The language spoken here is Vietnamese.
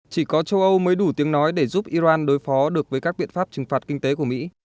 chỉ có châu âu mới đủ tiếng nói để giúp iran đối phó được với các biện pháp trừng phạt kinh tế của mỹ